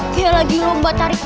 dia lagi lomba tarik